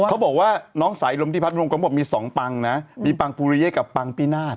เขาบอกว่าน้องสายอินรมดิพัฒน์วงก็บอกมี๒ปังนะมีปังปุริเยกับปังปีนาธ